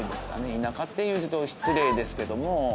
田舎って言うと失礼ですけども。